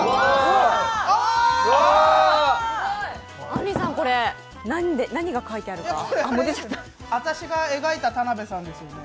あんりさん、これ何が書いてあるか私が描いた田辺さんですよね。